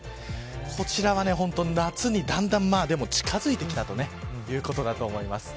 こちらは夏に、だんだん近づいてきたということだと思います。